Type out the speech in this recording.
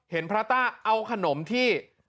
เห็นพระต้าเอาขนมที่